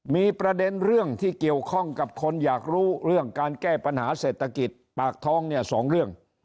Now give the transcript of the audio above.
มีประเด็นเรื่องที่เกี่ยวข้องกับคนอยากรู้เรื่องการแก้ปัญหาเศรษฐกิจปากท้องเนี่ยสองเรื่อง